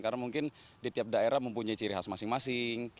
karena mungkin di tiap daerah mempunyai ciri khas masing masing